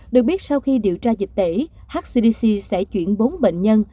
được biết sau khi điều tra dịch tễ hcdc sẽ chuyển bốn bệnh nhân